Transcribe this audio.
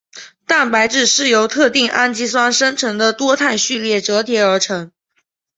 蛋白质是由特定氨基酸生成的多肽序列折叠而成。